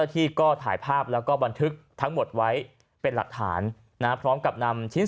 ที่ก็ถ่ายภาพแล้วก็บันทึกทั้งหมดไว้เป็นหลักฐานนะพร้อมกับนำชิ้น